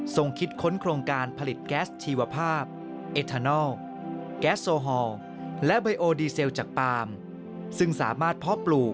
ทรงคิดค้นโครงการผลิตแก๊สชีวภาพแอธานัลแก๊สโซฮอลและบริโอดีเซลจากปาร์ม